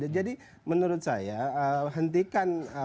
jadi menurut saya hentikan statementnya